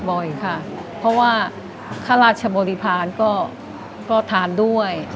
บ่อยค่ะเพราะว่าข้าราชบริพาณก็ทานด้วย